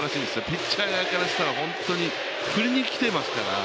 ピッチャー側からしたら本当に振りに来ていますから。